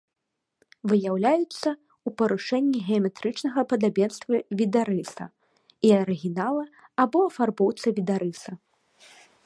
Выяўляюцца ў парушэнні геаметрычнага падабенства відарыса і арыгінала або афарбоўцы відарыса.